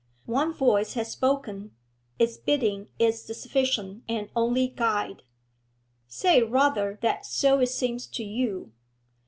One voice has spoken; its bidding is the sufficient and only guide.' 'Say rather that so it seems to you.